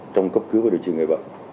trong cấp cứu của địa chỉ nghệ vận